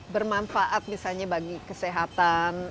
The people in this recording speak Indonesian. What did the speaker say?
bermanfaat misalnya bagi kesehatan